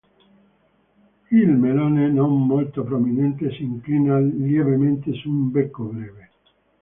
Il melone, non molto prominente, si inclina lievemente su un becco breve.